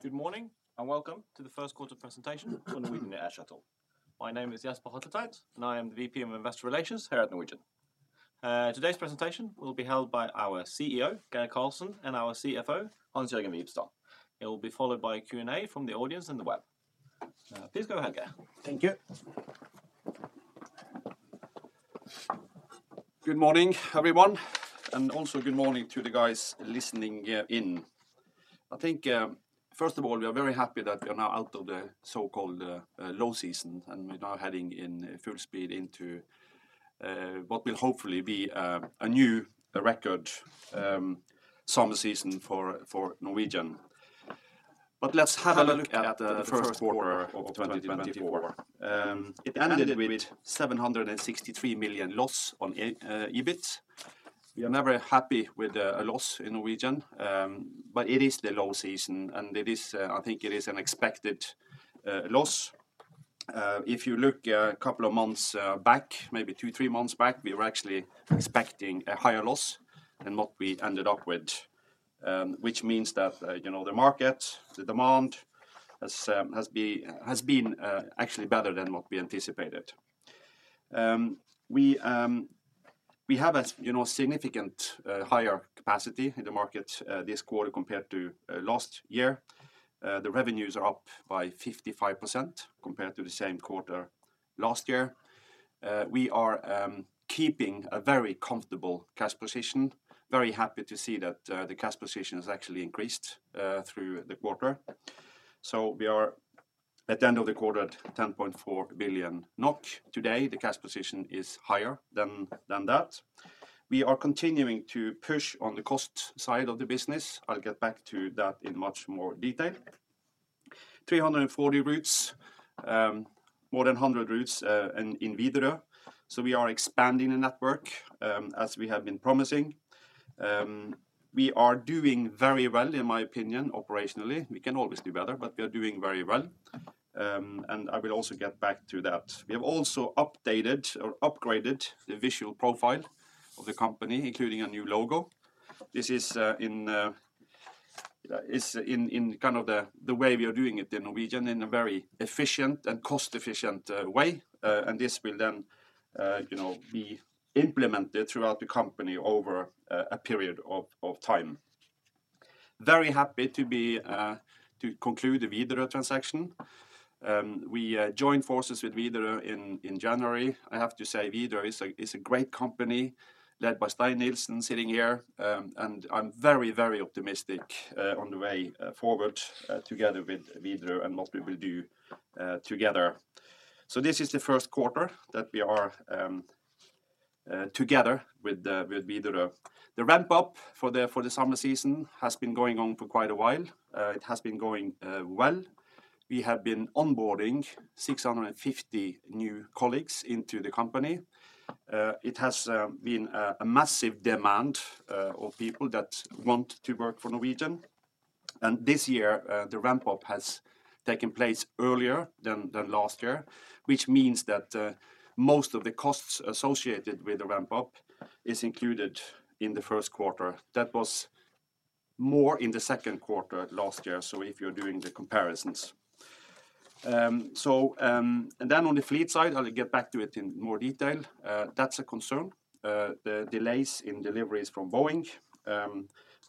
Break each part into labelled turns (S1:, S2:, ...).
S1: Good morning and welcome to the first quarter presentation for Norwegian Air Shuttle. My name is Jesper Hatletveit, and I am the VP of Investor Relations here at Norwegian. Today's presentation will be held by our CEO, Geir Karlsen, and our CFO, Hans-Jørgen Wibstad. It will be followed by Q&A from the audience and the web. Please go ahead, Geir.
S2: Thank you. Good morning, everyone, and also good morning to the guys listening in. I think, first of all, we are very happy that we are now out of the so-called low season, and we're now heading in full speed into what will hopefully be a new record summer season for Norwegian. But let's have a look at the first quarter of 2024. It ended with a 763 million loss on EBIT. We are never happy with a loss in Norwegian, but it is the low season, and I think it is an expected loss. If you look a couple of months back, maybe two, three months back, we were actually expecting a higher loss than what we ended up with, which means that the market, the demand, has been actually better than what we anticipated. We have a significantly higher capacity in the market this quarter compared to last year. The revenues are up by 55% compared to the same quarter last year. We are keeping a very comfortable cash position, very happy to see that the cash position has actually increased through the quarter. So we are at the end of the quarter at 10.4 billion NOK. Today, the cash position is higher than that. We are continuing to push on the cost side of the business. I'll get back to that in much more detail. 340 routes, more than 100 routes in Widerøe. So we are expanding the network as we have been promising. We are doing very well, in my opinion, operationally. We can always do better, but we are doing very well, and I will also get back to that. We have also updated or upgraded the visual profile of the company, including a new logo. This is in kind of the way we are doing it in Norwegian, in a very efficient and cost-efficient way, and this will then be implemented throughout the company over a period of time. Very happy to conclude the Widerøe transaction. We joined forces with Widerøe in January. I have to say, Widerøe is a great company led by Stein Nilsen sitting here, and I'm very, very optimistic on the way forward together with Widerøe and what we will do together. So this is the first quarter that we are together with Widerøe. The ramp-up for the summer season has been going on for quite a while. It has been going well. We have been onboarding 650 new colleagues into the company. It has been a massive demand of people that want to work for Norwegian, and this year the ramp-up has taken place earlier than last year, which means that most of the costs associated with the ramp-up are included in the first quarter. That was more in the second quarter last year, so if you're doing the comparisons. And then on the fleet side, I'll get back to it in more detail. That's a concern, the delays in deliveries from Boeing,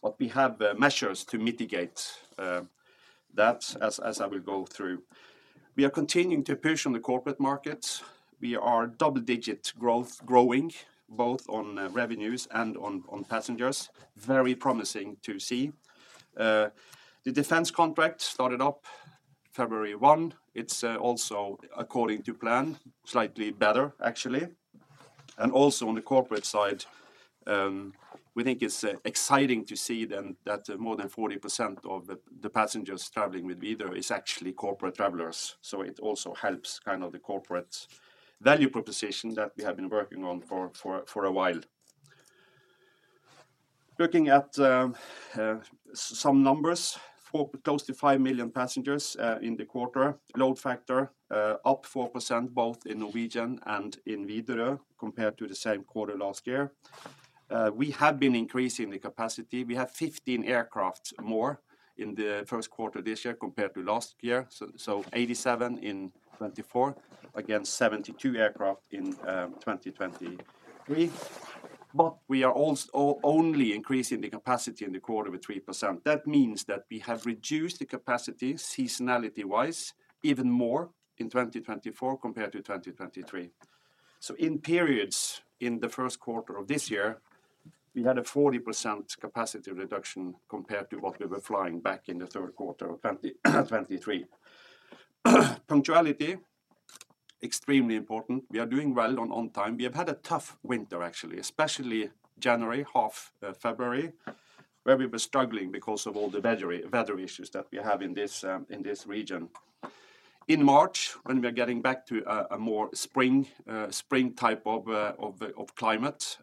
S2: but we have measures to mitigate that, as I will go through. We are continuing to push on the corporate markets. We are double-digit growing, both on revenues and on passengers. Very promising to see. The defense contract started up February 1. It's also according to plan, slightly better, actually. Also on the corporate side, we think it's exciting to see then that more than 40% of the passengers traveling with Widerøe are actually corporate travelers, so it also helps kind of the corporate value proposition that we have been working on for a while. Looking at some numbers, close to five million passengers in the quarter, load factor up 4% both in Norwegian and in Widerøe compared to the same quarter last year. We have been increasing the capacity. We have 15 aircraft more in the first quarter this year compared to last year, so 87 in 2024 against 72 aircraft in 2023. We are only increasing the capacity in the quarter with 3%. That means that we have reduced the capacity seasonality-wise even more in 2024 compared to 2023. So in periods in the first quarter of this year, we had a 40% capacity reduction compared to what we were flying back in the third quarter of 2023. Punctuality, extremely important. We are doing well on time. We have had a tough winter, actually, especially January, half February, where we were struggling because of all the weather issues that we have in this region. In March, when we are getting back to a more spring-type of climate,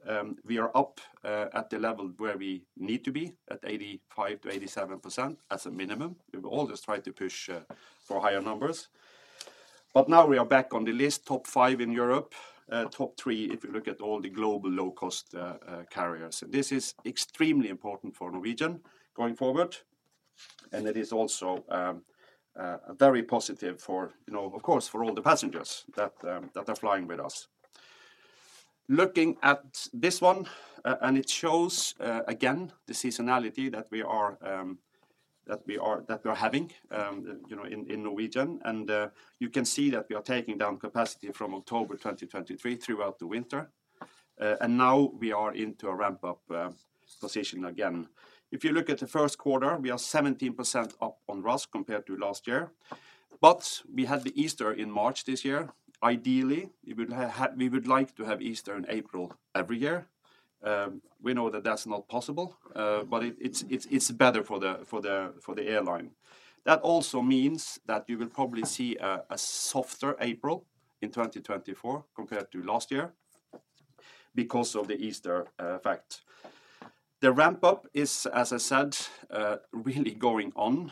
S2: we are up at the level where we need to be, at 85%-87% as a minimum. We've always tried to push for higher numbers, but now we are back on the list, top five in Europe, top three if you look at all the global low-cost carriers. This is extremely important for Norwegian going forward, and it is also very positive, of course, for all the passengers that are flying with us. Looking at this one, and it shows again the seasonality that we are having in Norwegian, and you can see that we are taking down capacity from October 2023 throughout the winter, and now we are into a ramp-up position again. If you look at the first quarter, we are 17% up on RASK compared to last year, but we had the Easter in March this year. Ideally, we would like to have Easter in April every year. We know that that's not possible, but it's better for the airline. That also means that you will probably see a softer April in 2024 compared to last year because of the Easter fact. The ramp-up is, as I said, really going on.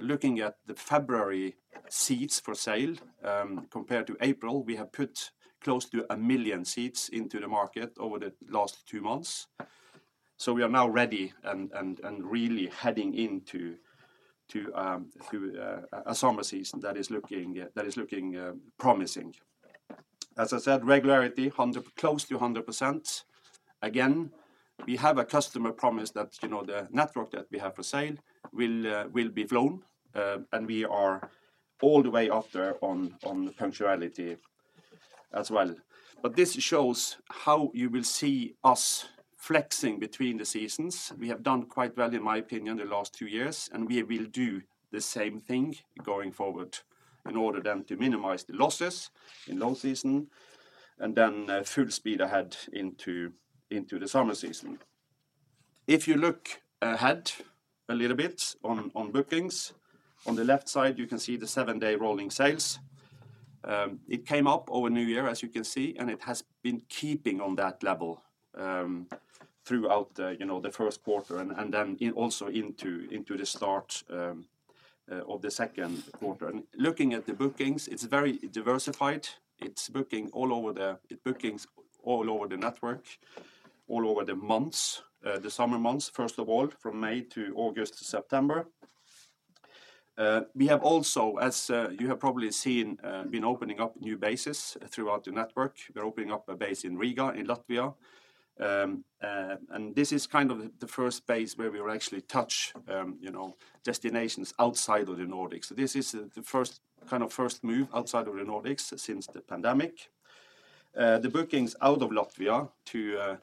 S2: Looking at the February seats for sale compared to April, we have put close to 1 million seats into the market over the last two months, so we are now ready and really heading into a summer season that is looking promising. As I said, regularity, close to 100%. Again, we have a customer promise that the network that we have for sale will be flown, and we are all the way after on punctuality as well. But this shows how you will see us flexing between the seasons. We have done quite well, in my opinion, the last two years, and we will do the same thing going forward in order then to minimize the losses in low season and then full speed ahead into the summer season. If you look ahead a little bit on bookings, on the left side, you can see the seven-day rolling sales. It came up over New Year, as you can see, and it has been keeping on that level throughout the first quarter and then also into the start of the second quarter. Looking at the bookings, it's very diversified. It's booking all over the network, all over the months, the summer months, first of all, from May to August to September. We have also, as you have probably seen, been opening up new bases throughout the network. We're opening up a base in Riga, in Latvia, and this is kind of the first base where we will actually touch destinations outside of the Nordics. This is the kind of first move outside of the Nordics since the pandemic. The bookings out of Latvia to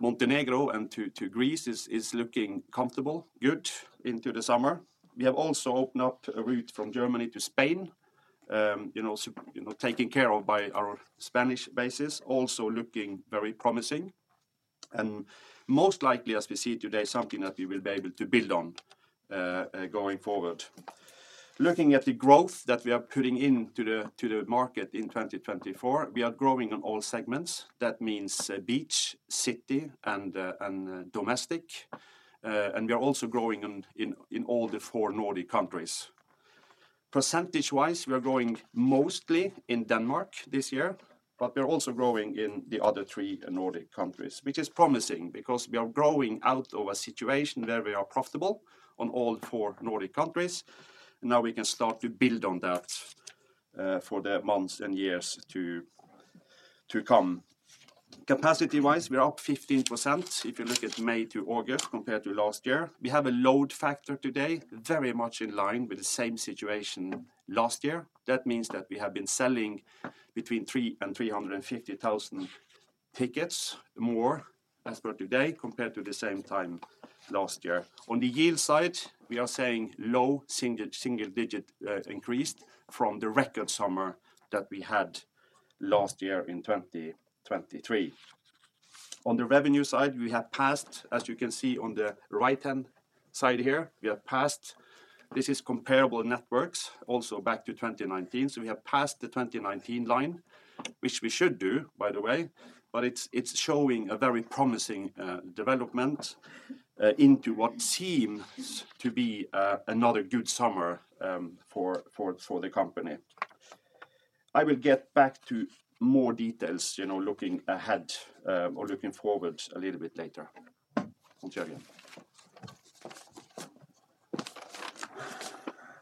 S2: Montenegro and to Greece are looking comfortable, good, into the summer. We have also opened up a route from Germany to Spain, taken care of by our Spanish bases, also looking very promising, and most likely, as we see today, something that we will be able to build on going forward. Looking at the growth that we are putting into the market in 2024, we are growing on all segments. That means beach, city, and domestic, and we are also growing in all the four Nordic countries. Percentage-wise, we are growing mostly in Denmark this year, but we are also growing in the other three Nordic countries, which is promising because we are growing out of a situation where we are profitable on all four Nordic countries. Now we can start to build on that for the months and years to come. Capacity-wise, we are up 15% if you look at May to August compared to last year. We have a load factor today very much in line with the same situation last year. That means that we have been selling between 3,000 and 350,000 tickets more as per today compared to the same time last year. On the yield side, we are seeing low single-digit increase from the record summer that we had last year in 2023. On the revenue side, we have passed, as you can see on the right-hand side here, we have passed this is comparable networks, also back to 2019, so we have passed the 2019 line, which we should do, by the way, but it's showing a very promising development into what seems to be another good summer for the company. I will get back to more details looking ahead or looking forward a little bit later. Hans-Jørgen.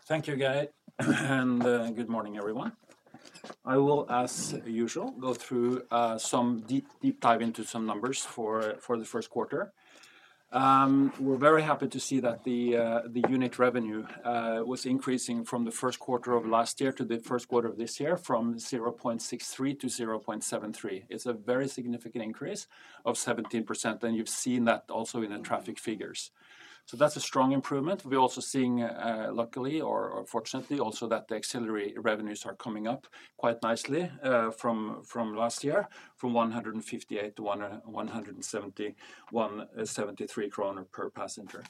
S3: Thank you, Geir, and good morning, everyone. I will, as usual, go through some deep dive into some numbers for the first quarter. We're very happy to see that the unit revenue was increasing from the first quarter of last year to the first quarter of this year from 0.63-0.73. It's a very significant increase of 17%, and you've seen that also in the traffic figures. So that's a strong improvement. We're also seeing, luckily or fortunately, also that the ancillary revenues are coming up quite nicely from last year, from 158-171, 73 growth per passenger.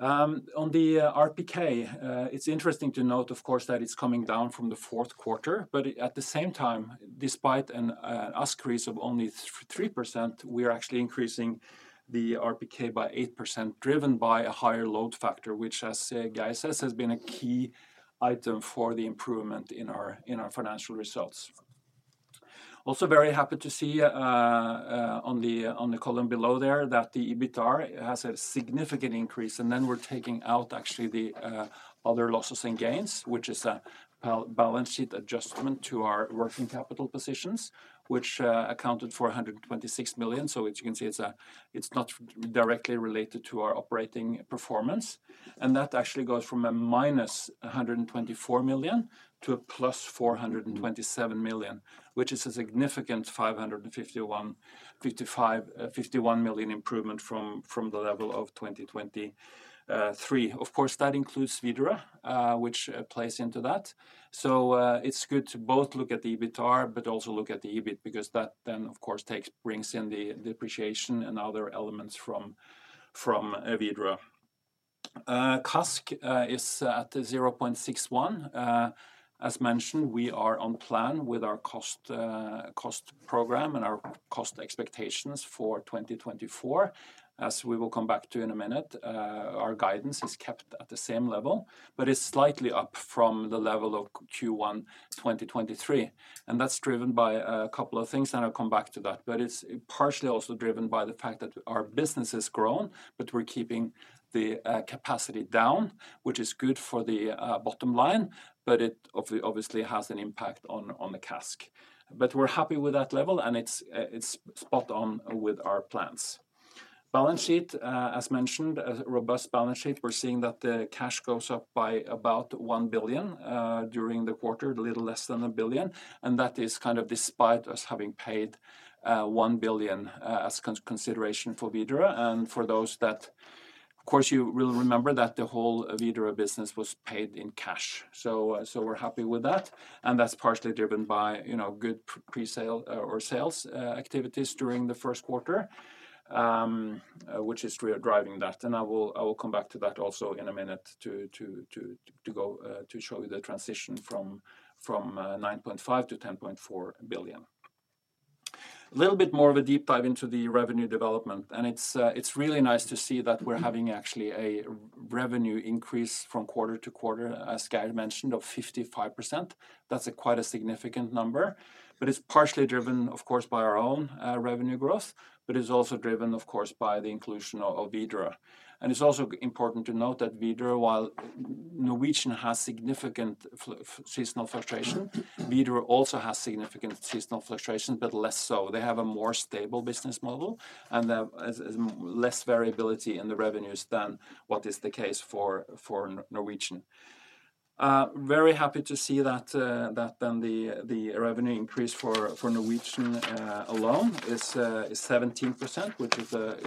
S3: On the RPK, it's interesting to note, of course, that it's coming down from the fourth quarter, but at the same time, despite an ASK rise of only 3%, we are actually increasing the RPK by 8%, driven by a higher load factor, which, as Geir says, has been a key item for the improvement in our financial results. Also very happy to see on the column below there that the EBITDA has a significant increase, and then we're taking out, actually, the other losses and gains, which is a balance sheet adjustment to our working capital positions, which accounted for 126 million. So as you can see, it's not directly related to our operating performance, and that actually goes from a -124 million to a +427 million, which is a significant 551 million improvement from the level of 2023. Of course, that includes Widerøe, which plays into that. So it's good to both look at the EBITDA but also look at the EBIT because that then, of course, brings in the depreciation and other elements from Widerøe. CASK is at 0.61. As mentioned, we are on plan with our cost program and our cost expectations for 2024. As we will come back to in a minute, our guidance is kept at the same level, but it's slightly up from the level of Q1 2023, and that's driven by a couple of things, and I'll come back to that, but it's partially also driven by the fact that our business has grown, but we're keeping the capacity down, which is good for the bottom line, but it obviously has an impact on the CASK. But we're happy with that level, and it's spot on with our plans. Balance sheet, as mentioned, a robust balance sheet. We're seeing that the cash goes up by about 1 billion during the quarter, a little less than 1 billion, and that is kind of despite us having paid 1 billion as consideration for Widerøe. And for those that, of course, you will remember that the whole Widerøe business was paid in cash, so we're happy with that, and that's partially driven by good presale or sales activities during the first quarter, which is driving that, and I will come back to that also in a minute to show you the transition from 9.5 billion to 10.4 billion. A little bit more of a deep dive into the revenue development, and it's really nice to see that we're having actually a revenue increase from quarter to quarter, as Geir mentioned, of 55%. That's quite a significant number, but it's partially driven, of course, by our own revenue growth, but it's also driven, of course, by the inclusion of Widerøe. It's also important to note that Widerøe, while Norwegian has significant seasonal fluctuation, Widerøe also has significant seasonal fluctuations but less so. They have a more stable business model and less variability in the revenues than what is the case for Norwegian. Very happy to see that then the revenue increase for Norwegian alone is 17%,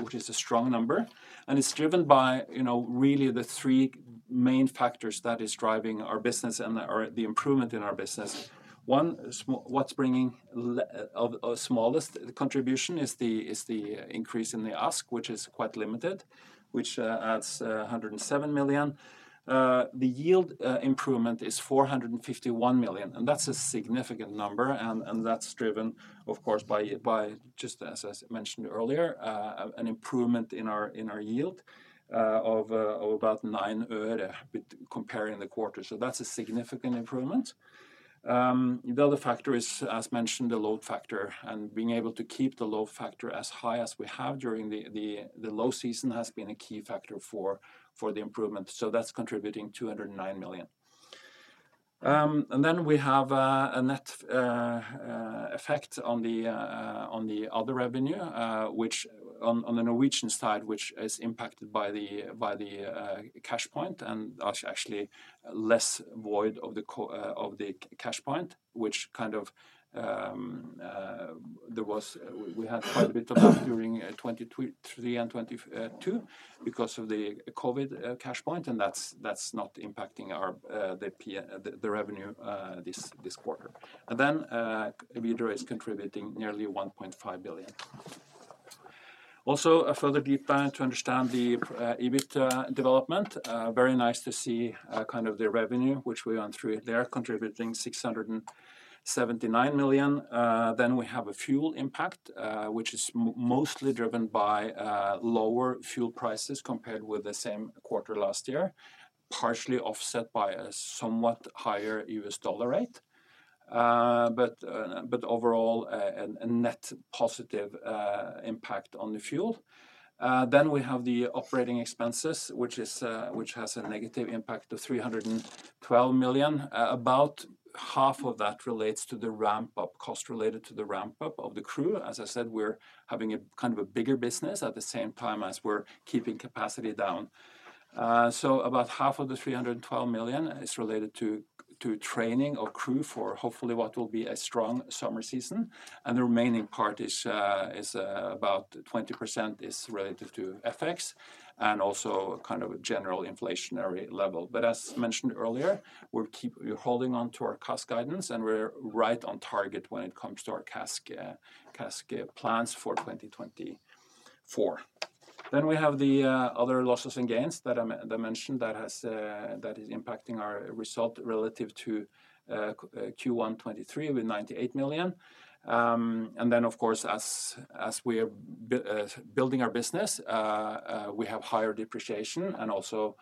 S3: which is a strong number, and it's driven by really the three main factors that are driving our business and the improvement in our business. One, what's bringing the smallest contribution is the increase in the ask, which is quite limited, which adds 107 million. The yield improvement is 451 million, and that's a significant number, and that's driven, of course, by just, as I mentioned earlier, an improvement in our yield of about NOK 0.09 comparing the quarter, so that's a significant improvement. The other factor is, as mentioned, the load factor, and being able to keep the load factor as high as we have during the low season has been a key factor for the improvement, so that's contributing 209 million. And then we have a net effect on the other revenue, on the Norwegian side, which is impacted by the CashPoints and actually less void of the CashPoints, which kind of we had quite a bit of that during 2023 and 2022 because of the COVID CashPoints, and that's not impacting the revenue this quarter. And then Widerøe is contributing nearly 1.5 billion. Also, a further deep dive to understand the EBITDA development. Very nice to see kind of the revenue, which we went through. They are contributing 679 million. Then we have a fuel impact, which is mostly driven by lower fuel prices compared with the same quarter last year, partially offset by a somewhat higher US dollar rate, but overall a net positive impact on the fuel. Then we have the operating expenses, which has a negative impact of 312 million. About half of that relates to the ramp-up, cost related to the ramp-up of the crew. As I said, we're having kind of a bigger business at the same time as we're keeping capacity down. So about half of the 312 million is related to training of crew for hopefully what will be a strong summer season, and the remaining part is about 20% is related to FX and also kind of a general inflationary level. But as mentioned earlier, we're holding on to our cost guidance, and we're right on target when it comes to our CASK plans for 2024. Then we have the other losses and gains that I mentioned that is impacting our result relative to Q1 2023 with 98 million. And then, of course, as we are building our business, we have higher depreciation, and also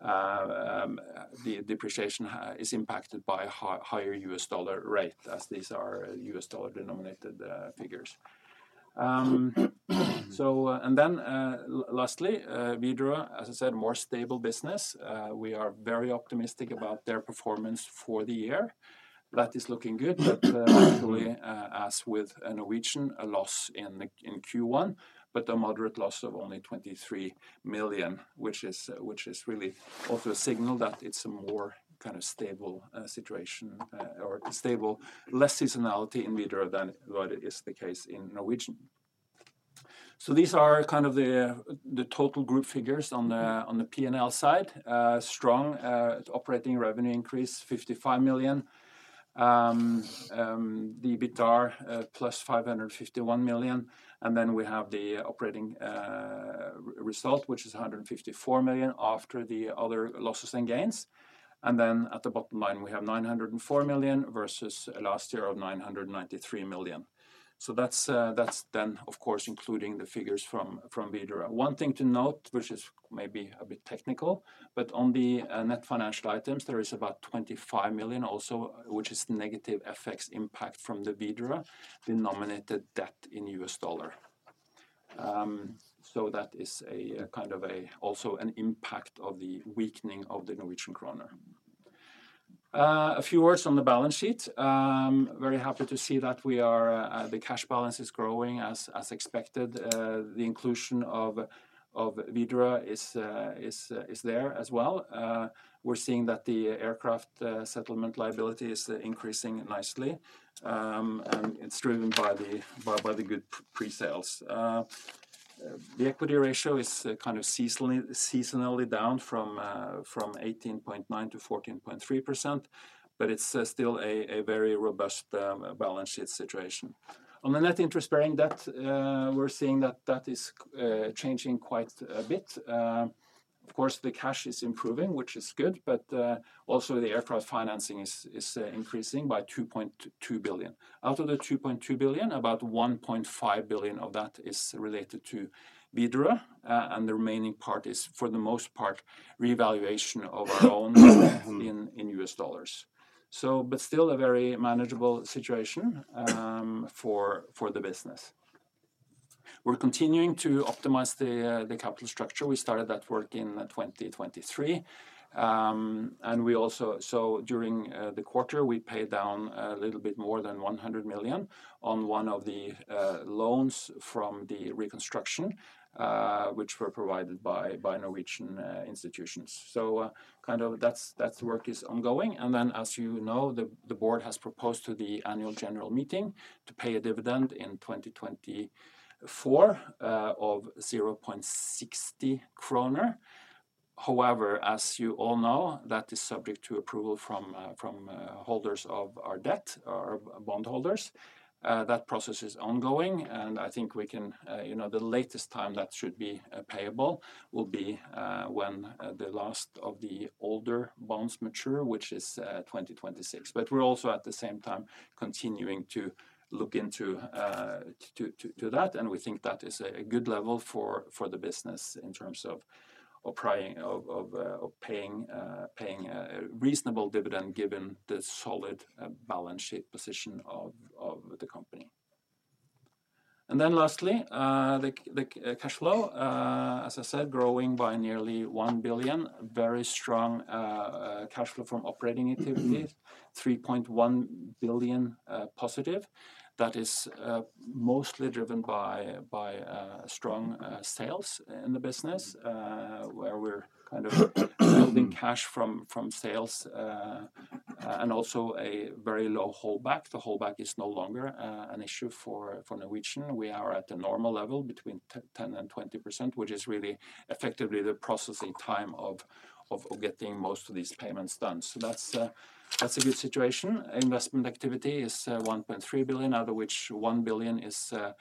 S3: the depreciation is impacted by a higher US dollar rate as these are US dollar denominated figures. And then lastly, Widerøe, as I said, more stable business. We are very optimistic about their performance for the year. That is looking good, but actually, as with Norwegian, a loss in Q1, but a moderate loss of only 23 million, which is really also a signal that it's a more kind of stable situation or stable, less seasonality in Widerøe than what is the case in Norwegian. So these are kind of the total group figures on the P&L side. Strong operating revenue increase, 55 million. The EBITDA +551 million, and then we have the operating result, which is 154 million after the other losses and gains. And then at the bottom line, we have 904 million versus last year of 993 million. So that's then, of course, including the figures from Widerøe. One thing to note, which is maybe a bit technical, but on the net financial items, there is about 25 million also, which is negative FX impact from the Widerøe denominated debt in US dollar. So that is kind of also an impact of the weakening of the Norwegian kroner. A few words on the balance sheet. Very happy to see that the cash balance is growing as expected. The inclusion of Widerøe is there as well. We're seeing that the aircraft settlement liability is increasing nicely, and it's driven by the good presales. The equity ratio is kind of seasonally down from 18.9%-14.3%, but it's still a very robust balance sheet situation. On the net interest bearing debt, we're seeing that that is changing quite a bit. Of course, the cash is improving, which is good, but also the aircraft financing is increasing by 2.2 billion. Out of the 2.2 billion, about 1.5 billion of that is related to Widerøe, and the remaining part is, for the most part, revaluation of our loan in US dollars. But still a very manageable situation for the business. We're continuing to optimize the capital structure. We started that work in 2023, and we also, so during the quarter, we paid down a little bit more than 100 million on one of the loans from the reconstruction, which were provided by Norwegian institutions. So kind of that's the work is ongoing. And then, as you know, the board has proposed to the annual general meeting to pay a dividend in 2024 of 0.60 kroner. However, as you all know, that is subject to approval from holders of our debt, our bondholders. That process is ongoing, and I think the latest time that should be payable will be when the last of the older bonds mature, which is 2026. But we're also, at the same time, continuing to look into that, and we think that is a good level for the business in terms of paying a reasonable dividend given the solid balance sheet position of the company. And then lastly, the cash flow, as I said, growing by nearly 1 billion. Very strong cash flow from operating activities, 3.1 billion positive. That is mostly driven by strong sales in the business, where we're kind of building cash from sales and also a very low holdback. The holdback is no longer an issue for Norwegian. We are at the normal level between 10%-20%, which is really effectively the processing time of getting most of these payments done. So that's a good situation. Investment activity is 1.3 billion, out of which 1 billion is a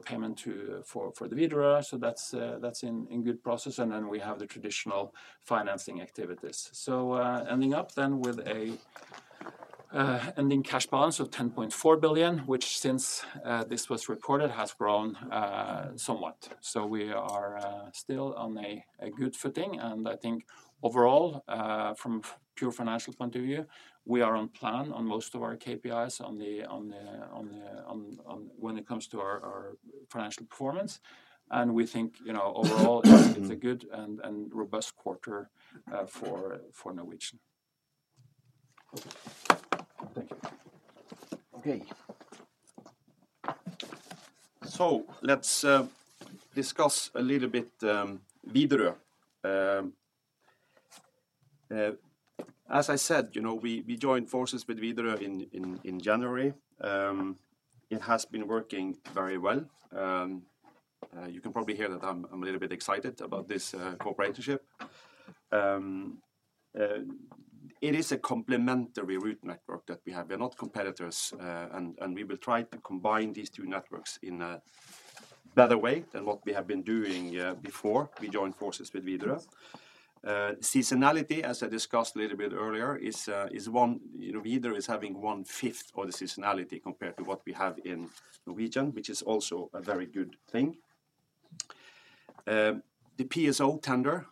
S3: payment for the Widerøe, so that's in good process, and then we have the traditional financing activities. So ending up then with an ending cash balance of 10.4 billion, which since this was reported has grown somewhat. So we are still on a good footing, and I think overall, from a pure financial point of view, we are on plan on most of our KPIs when it comes to our financial performance, and we think overall it's a good and robust quarter for Norwegian. Thank you. Okay. So let's discuss a little bit Widerøe. As I said, we joined forces with Widerøe in January. It has been working very well. You can probably hear that I'm a little bit excited about this cooperation. It is a complementary route network that we have. We're not competitors, and we will try to combine these two networks in a better way than what we have been doing before we joined forces with Widerøe. Seasonality, as I discussed a little bit earlier, is one Widerøe is having 1/5 of the seasonality compared to what we have in Norwegian, which is also a very good thing. The PSO tender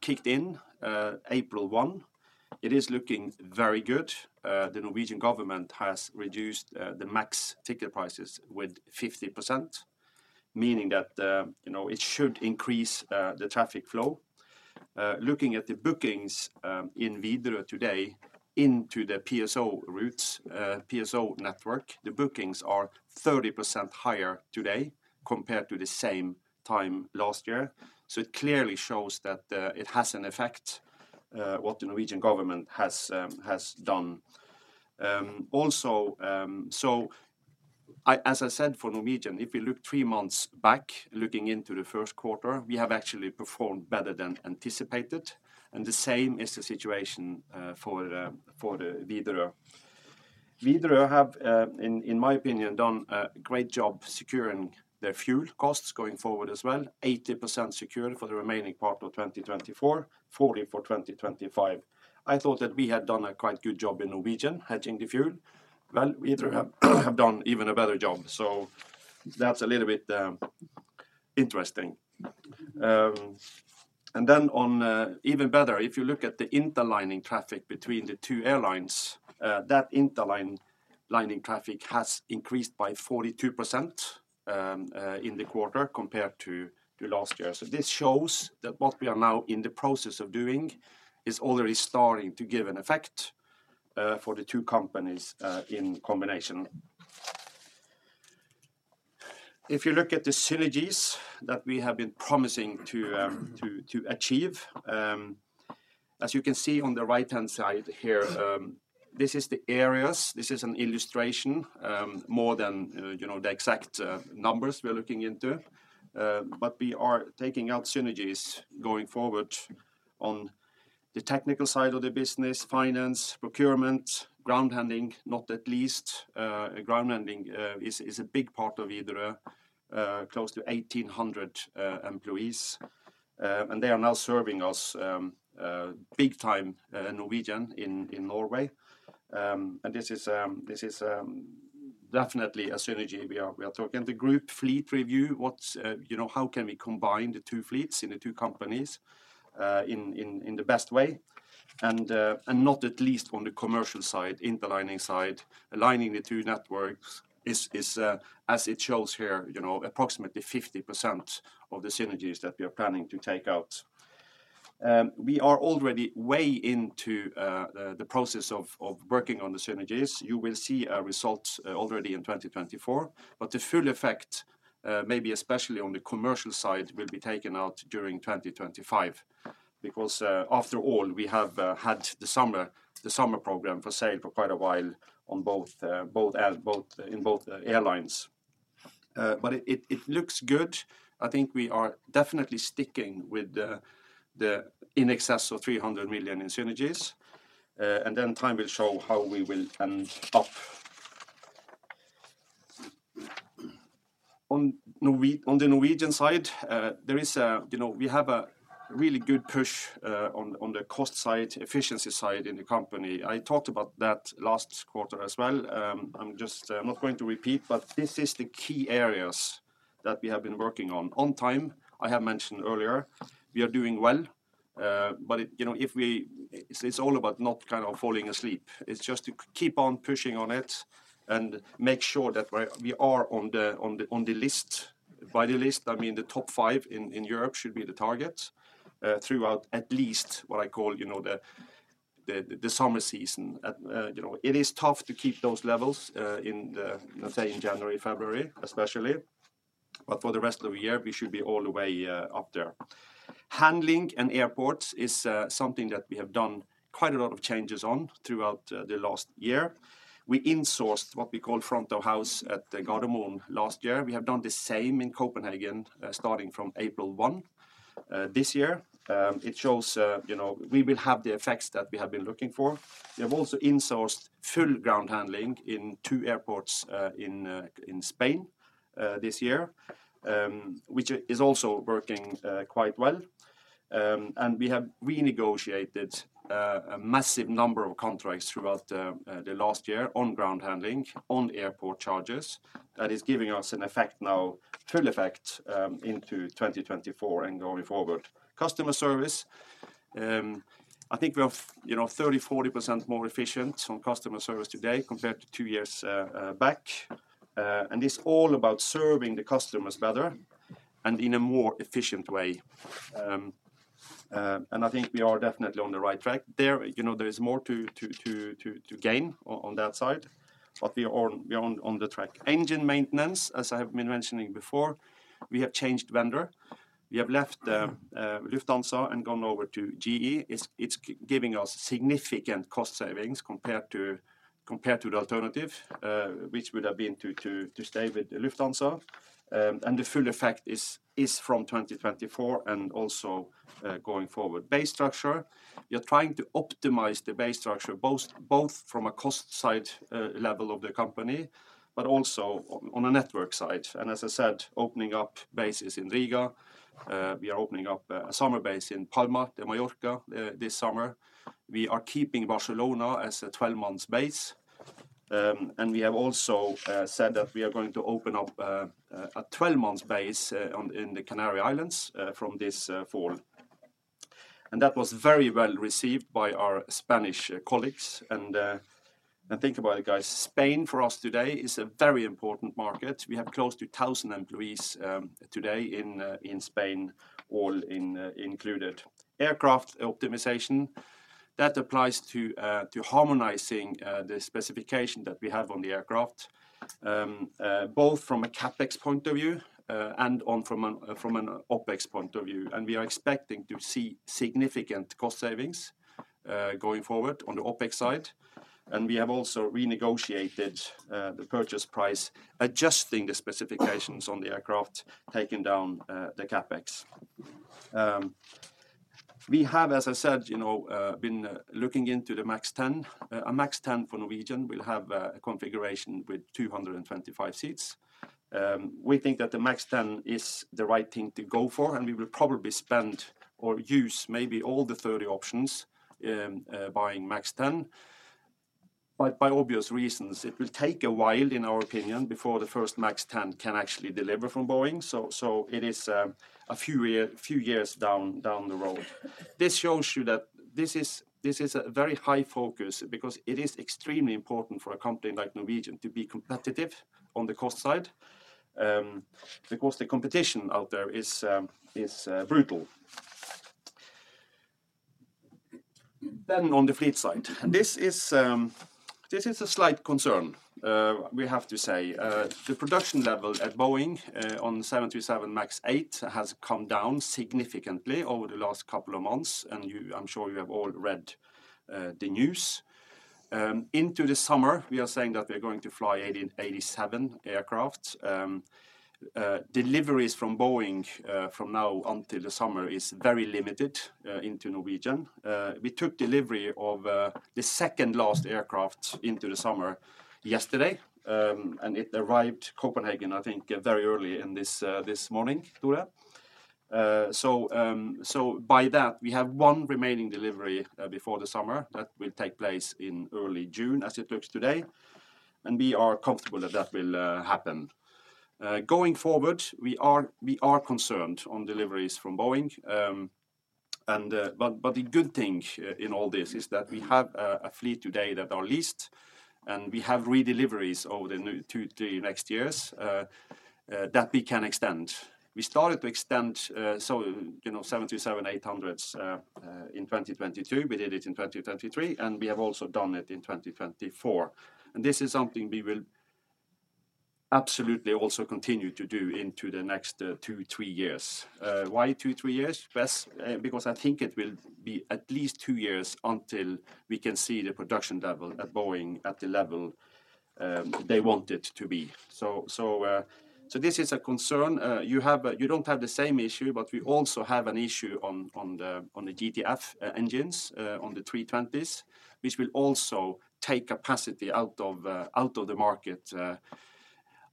S3: kicked in April 1. It is looking very good. The Norwegian government has reduced the max ticket prices with 50%, meaning that it should increase the traffic flow. Looking at the bookings in Widerøe today into the PSO routes, PSO network, the bookings are 30% higher today compared to the same time last year. So it clearly shows that it has an effect, what the Norwegian government has done. Also, so as I said, for Norwegian, if we look three months back, looking into the first quarter, we have actually performed better than anticipated, and the same is the situation for Widerøe. Widerøe have, in my opinion, done a great job securing their fuel costs going forward as well. 80% secured for the remaining part of 2024, 40% for 2025. I thought that we had done a quite good job in Norwegian hedging the fuel. Well, Widerøe have done even a better job, so that's a little bit interesting. And then on even better, if you look at the interlining traffic between the two airlines, that interlining traffic has increased by 42% in the quarter compared to last year. So this shows that what we are now in the process of doing is already starting to give an effect for the two companies in combination. If you look at the synergies that we have been promising to achieve, as you can see on the right-hand side here, this is the areas. This is an illustration, more than the exact numbers we're looking into, but we are taking out synergies going forward on the technical side of the business, finance, procurement, ground handling, not the least. Ground handling is a big part of Widerøe, close to 1,800 employees, and they are now serving us big-time Norwegian in Norway. And this is definitely a synergy we are talking. The group fleet review, how can we combine the two fleets in the two companies in the best way, and not the least on the commercial side, interlining side, aligning the two networks is, as it shows here, approximately 50% of the synergies that we are planning to take out. We are already way into the process of working on the synergies. You will see a result already in 2024, but the full effect, maybe especially on the commercial side, will be taken out during 2025 because, after all, we have had the summer program for sale for quite a while in both airlines. But it looks good. I think we are definitely sticking with the in excess of 300 million in synergies, and then time will show how we will end up. On the Norwegian side, there is. We have a really good push on the cost side, efficiency side in the company. I talked about that last quarter as well. I'm just not going to repeat, but this is the key areas that we have been working on. On time, as I have mentioned earlier, we are doing well, but if we it's all about not kind of falling asleep. It's just to keep on pushing on it and make sure that we are on the list. By the list, I mean the top five in Europe should be the target throughout at least what I call the summer season. It is tough to keep those levels in, let's say, in January, February, especially, but for the rest of the year, we should be all the way up there. Handling and airports is something that we have done quite a lot of changes on throughout the last year. We insourced what we call front-of-house at Gardermoen last year. We have done the same in Copenhagen starting from April 1 this year. It shows we will have the effects that we have been looking for. We have also insourced full ground handling in two airports in Spain this year, which is also working quite well. We have renegotiated a massive number of contracts throughout the last year on ground handling, on airport charges. That is giving us an effect now, full effect into 2024 and going forward. Customer service. I think we are 30%-40% more efficient on customer service today compared to two years back, and it's all about serving the customers better and in a more efficient way. I think we are definitely on the right track there. There is more to gain on that side, but we are on the track. Engine maintenance, as I have been mentioning before, we have changed vendor. We have left Lufthansa and gone over to GE. It's giving us significant cost savings compared to the alternative, which would have been to stay with Lufthansa, and the full effect is from 2024 and also going forward. Base structure. We are trying to optimize the base structure both from a cost side level of the company, but also on a network side. And as I said, opening up bases in Riga. We are opening up a summer base in Palma de Mallorca this summer. We are keeping Barcelona as a 12-month base, and we have also said that we are going to open up a 12-month base in the Canary Islands from this fall. And that was very well received by our Spanish colleagues. And think about it, guys. Spain for us today is a very important market. We have close to 1,000 employees today in Spain, all included. Aircraft optimization. That applies to harmonizing the specification that we have on the aircraft, both from a CAPEX point of view and from an OPEX point of view. We are expecting to see significant cost savings going forward on the OPEX side, and we have also renegotiated the purchase price adjusting the specifications on the aircraft, taking down the CAPEX. We have, as I said, been looking into the MAX 10. A MAX 10 for Norwegian will have a configuration with 225 seats. We think that the MAX 10 is the right thing to go for, and we will probably spend or use maybe all the 30 options buying MAX 10, but by obvious reasons. It will take a while, in our opinion, before the first MAX 10 can actually deliver from Boeing, so it is a few years down the road. This shows you that this is a very high focus because it is extremely important for a company like Norwegian to be competitive on the cost side because the competition out there is brutal. Then on the fleet side. This is a slight concern, we have to say. The production level at Boeing on the 737 MAX 8 has come down significantly over the last couple of months, and I'm sure you have all read the news. Into the summer, we are saying that we are going to fly 87 aircraft. Deliveries from Boeing from now until the summer are very limited into Norwegian. We took delivery of the second-last aircraft into the summer yesterday, and it arrived Copenhagen, I think, very early in this morning, Tore. So by that, we have 1 remaining delivery before the summer that will take place in early June, as it looks today, and we are comfortable that that will happen. Going forward, we are concerned on deliveries from Boeing, but the good thing in all this is that we have a fleet today that is our largest, and we have redeliveries over the next years that we can extend. We started to extend 737-800s in 2022. We did it in 2023, and we have also done it in 2024, and this is something we will absolutely also continue to do into the next two, three years. Why two, three years? Because I think it will be at least two years until we can see the production level at Boeing at the level they want it to be. So this is a concern. You don't have the same issue, but we also have an issue on the GTF engines, on the 320s, which will also take capacity out of the market.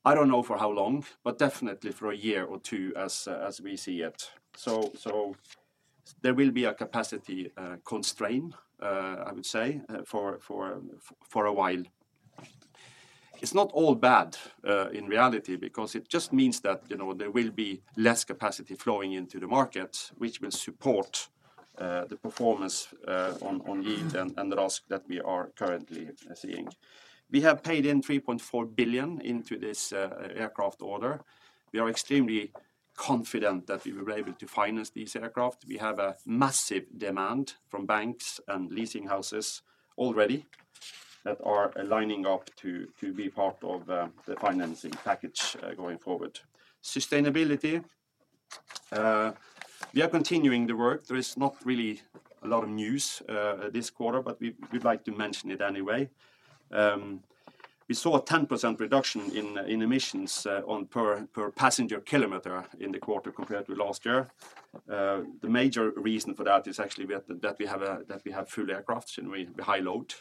S3: I don't know for how long, but definitely for a year or two as we see it. So there will be a capacity constraint, I would say, for a while. It's not all bad in reality because it just means that there will be less capacity flowing into the market, which will support the performance on yield and the risk that we are currently seeing. We have paid in 3.4 billion into this aircraft order. We are extremely confident that we will be able to finance these aircraft. We have a massive demand from banks and leasing houses already that are lining up to be part of the financing package going forward. Sustainability. We are continuing the work. There is not really a lot of news this quarter, but we'd like to mention it anyway. We saw a 10% reduction in emissions per passenger kilometer in the quarter compared to last year. The major reason for that is actually that we have full aircraft and we high-load.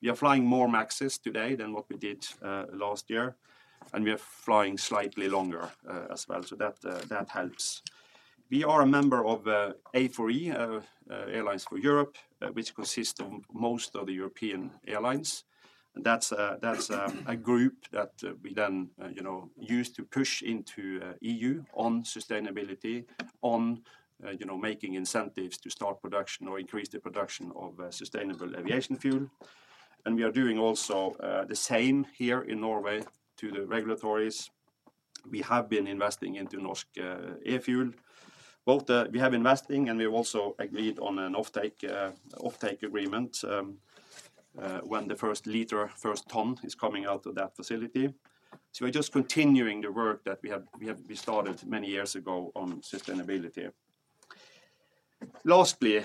S3: We are flying more MAXs today than what we did last year, and we are flying slightly longer as well, so that helps. We are a member of A4E, Airlines for Europe, which consists of most of the European airlines, and that's a group that we then use to push into EU on sustainability, on making incentives to start production or increase the production of sustainable aviation fuel. We are doing also the same here in Norway to the regulators. We have been investing into Norsk e-Fuel. We have investing, and we have also agreed on an offtake agreement when the first liter, first ton is coming out of that facility. So we're just continuing the work that we started many years ago on sustainability. Lastly,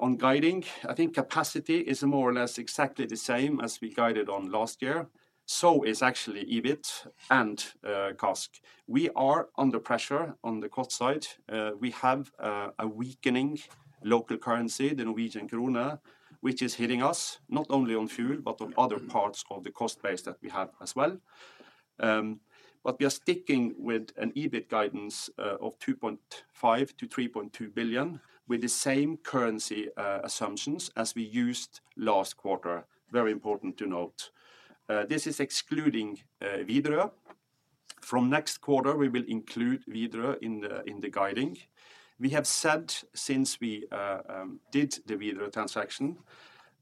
S3: on guiding, I think capacity is more or less exactly the same as we guided on last year. So is actually EBIT and CASK. We are under pressure on the cost side. We have a weakening local currency, the Norwegian krone, which is hitting us not only on fuel but on other parts of the cost base that we have as well. But we are sticking with an EBIT guidance of 2.5-3.2 billion with the same currency assumptions as we used last quarter. Very important to note. This is excluding Widerøe. From next quarter, we will include Widerøe in the guiding. We have said since we did the Widerøe transaction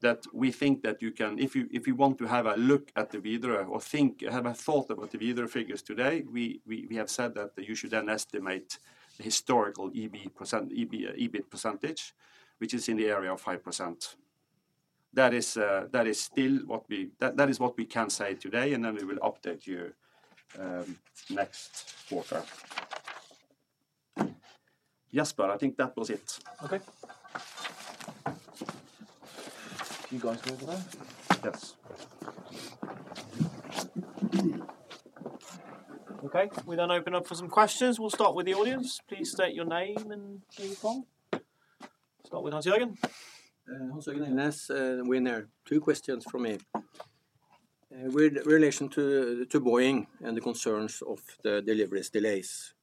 S3: that we think that you can if you want to have a look at the Widerøe or have a thought about the Widerøe figures today, we have said that you should then estimate the historical EBIT percentage, which is in the area of 5%. That is still what we can say today, and then we will update you next quarter. Jesper, I think that was it.
S1: Okay. You guys want to go there?
S3: Yes.
S1: Okay. We then open up for some questions. We'll start with the audience. Please state your name and where you're from. Start with Hans Jørgen.
S4: Hans Jørgen Elnæs, WinAir. We have two questions from me with relation to Boeing and the concerns of the delivery delays.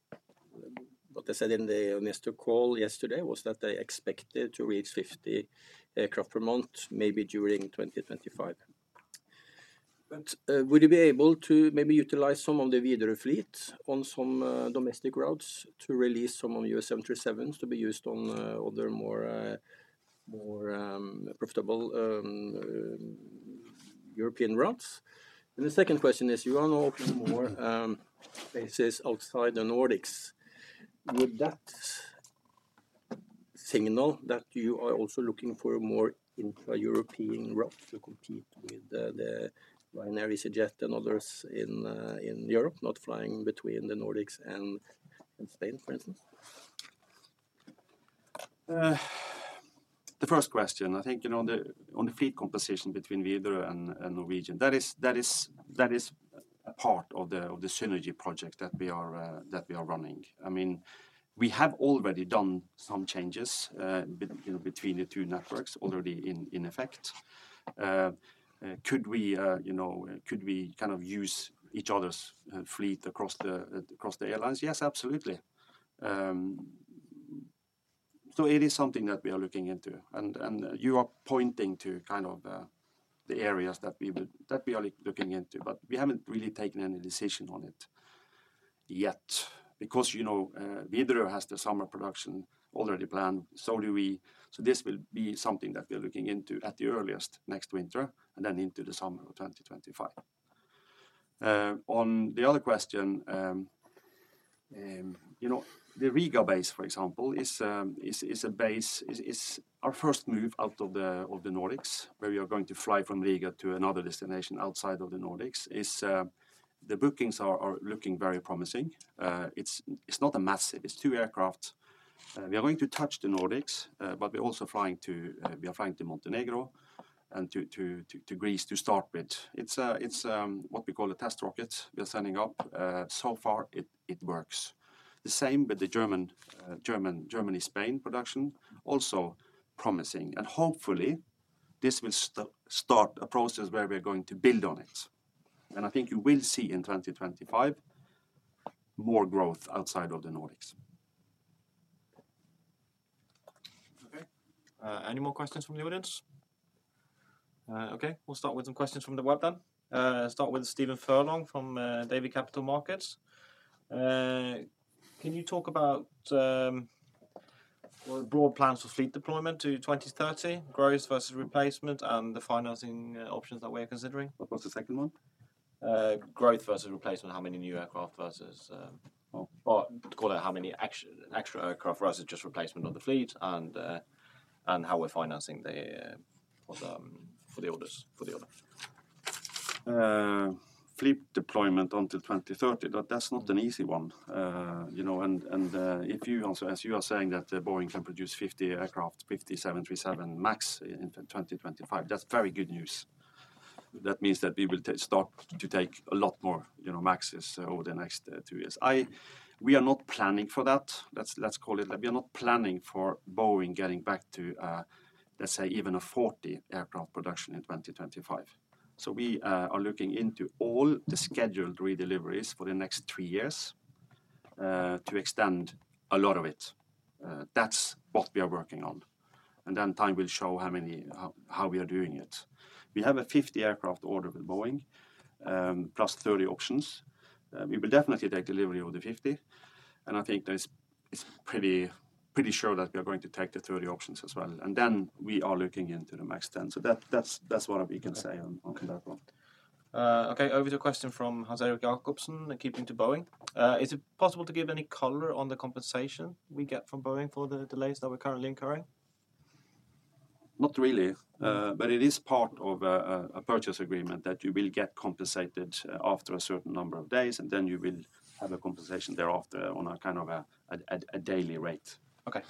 S4: What I said in the initial call yesterday was that they expected to reach 50 aircraft per month, maybe during 2025. But would you be able to maybe utilize some of the Widerøe fleet on some domestic routes to release some of your 737s to be used on other more profitable European routes? And the second question is, you are now opening more bases outside the Nordics. Would that signal that you are also looking for more intra-European routes to compete with the Ryanair, EasyJet, and others in Europe, not flying between the Nordics and Spain, for instance?
S2: The first question. I think on the fleet composition between Widerøe and Norwegian, that is a part of the synergy project that we are running. I mean, we have already done some changes between the two networks already in effect. Could we kind of use each other's fleet across the airlines? Yes, absolutely. So it is something that we are looking into, and you are pointing to kind of the areas that we are looking into, but we haven't really taken any decision on it yet because Widerøe has the summer production already planned. So do we. So this will be something that we are looking into at the earliest next winter and then into the summer of 2025. On the other question, the Riga base, for example, is our first move out of the Nordics, where we are going to fly from Riga to another destination outside of the Nordics. The bookings are looking very promising. It's not massive. It's two aircraft. We are going to touch the Nordics, but we are also flying to Montenegro and to Greece to start with. It's what we call a test rocket we are sending up. So far, it works. The same with the Germany-Spain production, also promising. And hopefully, this will start a process where we are going to build on it, and I think you will see in 2025 more growth outside of the Nordics.
S4: Okay.
S1: Any more questions from the audience? Okay. We'll start with some questions from the web then. Start with Steven Furlong from Davy Capital Markets. Can you talk about broad plans for fleet deployment to 2030, growth versus replacement, and the financing options that we are considering?
S2: What was the second one
S1: Growth versus replacement. How many new aircraft versus call it how many extra aircraft versus just replacement of the fleet and how we're financing for the order.
S2: Fleet deployment until 2030, that's not an easy one. And if you, as you are saying, that Boeing can produce 50 aircraft, 50 737 MAX in 2025, that's very good news. That means that we will start to take a lot more MAXs over the next two years. We are not planning for that. Let's call it that. We are not planning for Boeing getting back to, let's say, even a 40 aircraft production in 2025. So we are looking into all the scheduled redeliveries for the next three years to extend a lot of it. That's what we are working on, and then time will show how we are doing it. We have a 50 aircraft order with Boeing plus 30 options. We will definitely take delivery of the 50, and I think it's pretty sure that we are going to take the 30 options as well. And then we are looking into the MAX 10, so that's what we can say on that front.
S1: Okay. Over to a question from Hans-Erik Jacobsen, keeping to Boeing. Is it possible to give any color on the compensation we get from Boeing for the delays that we're currently incurring?
S2: Not really, but it is part of a purchase agreement that you will get compensated after a certain number of days, and then you will have a compensation thereafter on a kind of a daily rate.
S1: Okay.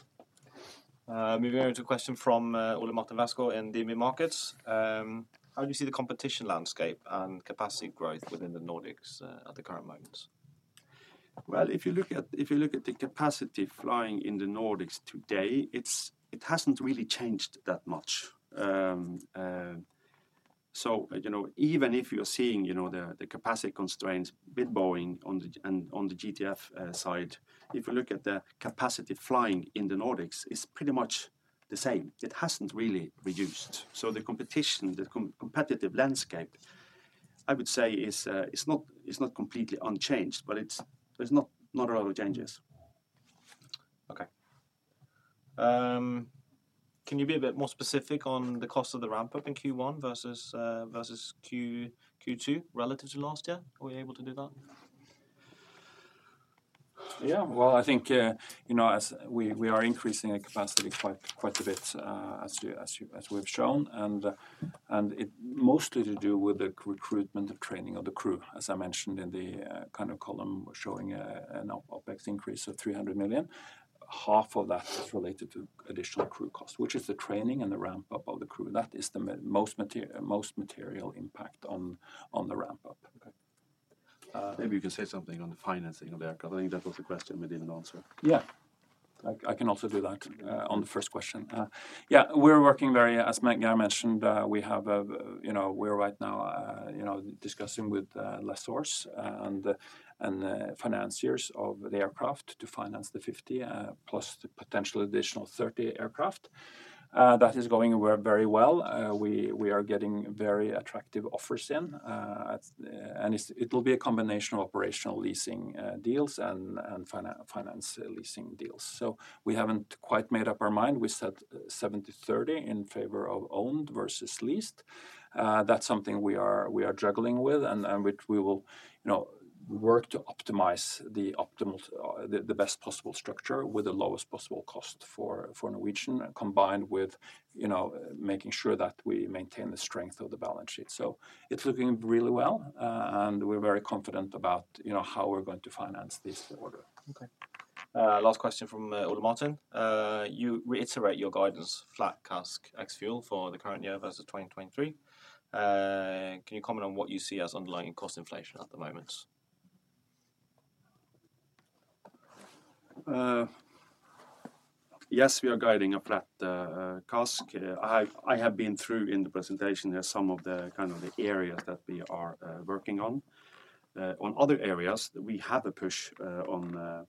S1: Moving over to a question from Ole-Martin Westgaard in DNB Markets. How do you see the competition landscape and capacity growth within the Nordics at the current moment?
S2: Well, if you look at the capacity flying in the Nordics today, it hasn't really changed that much. So even if you're seeing the capacity constraints with Boeing on the GTF side, if you look at the capacity flying in the Nordics, it's pretty much the same. It hasn't really reduced. So the competitive landscape, I would say, is not completely unchanged, but there's not a lot of changes.
S1: Okay. Can you be a bit more specific on the cost of the ramp-up in Q1 versus Q2 relative to last year? Are we able to do that?
S2: Yeah. Well, I think we are increasing the capacity quite a bit as we've shown, and it's mostly to do with the recruitment and training of the crew. As I mentioned in the kind of column showing an OpEx increase of 300 million, half of that is related to additional crew cost, which is the training and the ramp-up of the crew. That is the most material impact on the ramp-up. Okay. Maybe you can say something on the financing of the aircraft. I think that was the question we didn't answer.
S1: Yeah.
S3: I can also do that on the first question. Yeah. We're working very, as Guy mentioned, we are right now discussing with lessors and financiers of the aircraft to finance the 50 plus the potential additional 30 aircraft. That is going very well. We are getting very attractive offers in, and it will be a combination of operational leasing deals and finance leasing deals. So we haven't quite made up our mind. We said 70/30 in favor of owned versus leased. That's something we are juggling with, and we will work to optimize the best possible structure with the lowest possible cost for Norwegian, combined with making sure that we maintain the strength of the balance sheet. So it's looking really well, and we're very confident about how we're going to finance this order.
S1: Okay. Last question from Ole-Martin. You reiterate your guidance, flat CASK ex-fuel for the current year versus 2023. Can you comment on what you see as underlying cost inflation at the moment?
S3: Yes. We are guiding a flat CASK. I have been through in the presentation some of the kind of the areas that we are working on. On other areas, we have a push on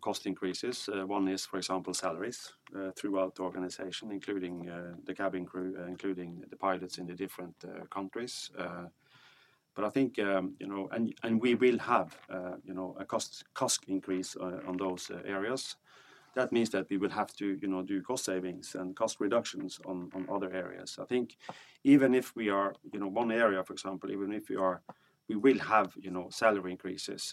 S3: cost increases. One is, for example, salaries throughout the organization, including the cabin crew, including the pilots in the different countries. But I think and we will have a cost increase on those areas. That means that we will have to do cost savings and cost reductions on other areas. I think even if we are one area, for example, we will have salary increases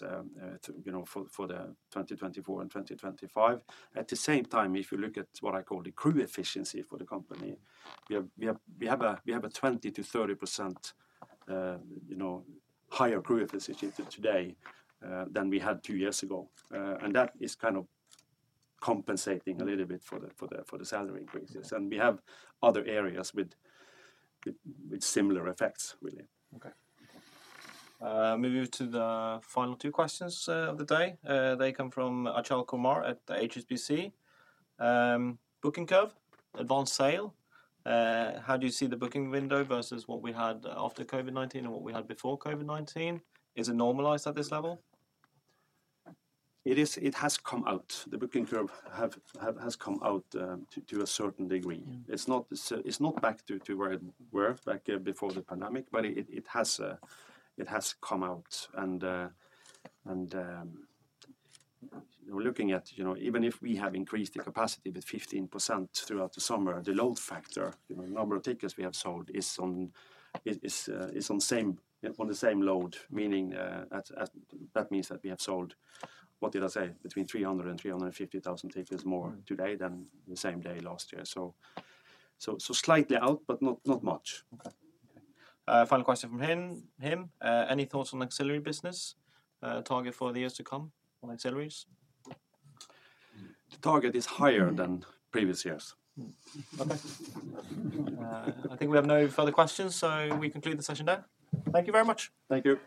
S3: for 2024 and 2025. At the same time, if you look at what I call the crew efficiency for the company, we have a 20%-30% higher crew efficiency today than we had two years ago, and that is kind of compensating a little bit for the salary increases. We have other areas with similar effects, really. Okay.
S1: Moving to the final two questions of the day. They come from Achal Kumar at HSBC. Booking curve, advanced sale. How do you see the booking window versus what we had after COVID-19 and what we had before COVID-19? Is it normalized at this level?
S3: It has come out. The booking curve has come out to a certain degree. It's not back to where it was back before the pandemic, but it has come out. We're looking at even if we have increased the capacity with 15% throughout the summer, the load factor, the number of tickets we have sold is on the same load, meaning that means that we have sold, what did I say, between 300,000-350,000 tickets more today than the same day last year. Slightly out, but not much.
S1: Okay. Final question from him. Any thoughts on ancillary business, target for the years to come on ancillaries?
S3: The target is higher than previous years.
S1: Okay. I think we have no further questions, so we conclude the session there. Thank you very much.
S2: Thank you.